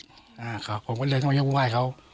ผมก็เลยต้องไปเยี่ยมว่ายเขา